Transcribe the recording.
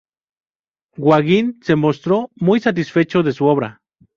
Gauguin se mostró muy satisfecho de su obra.